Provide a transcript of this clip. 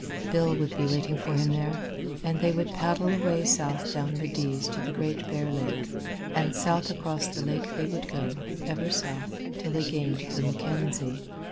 Bill would be waiting for him there, and they would paddle away south down the Dease to the Great Bear Lake. And south across the lake they would go, ever south, till they gained the Mackenzie.